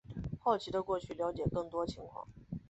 好奇的过去了解更多情况